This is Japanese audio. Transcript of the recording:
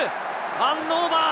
ターンオーバー！